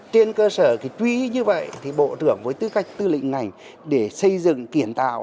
trên cơ sở truy như vậy thì bộ trưởng với tư cách tư lĩnh ngành để xây dựng kiển tạo